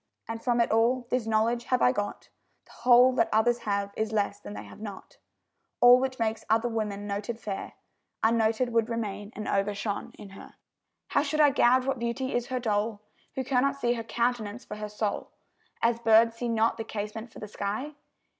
And from it all, this knowledge have I got, The whole that others have, is less than they have not; All which makes other women noted fair, Unnoted would remain and overshone in her. How should I gauge what beauty is her dole, Who cannot see her countenance for her soul, As birds see not the casement for the sky?